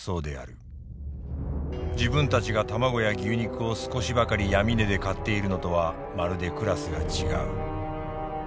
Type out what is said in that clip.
自分たちが卵や牛肉を少しばかり闇値で買っているのとはまるでクラスがちがう。